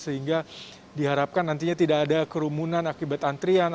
sehingga diharapkan nantinya tidak ada kerumunan akibat antrian